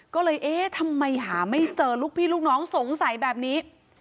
ก็เลยเอ๊ะทำไมหาไม่เจอลูกพี่ลูกน้องสงสัยแบบนี้